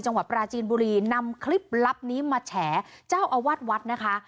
จังหวัดปราจีนบุรีนำคลิปลับนี้มาแฉเจ้าอาวาสวัดนะคะ